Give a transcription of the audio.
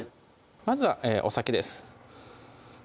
まずはお酒です